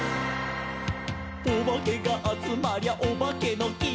「おばけがあつまりゃおばけのき」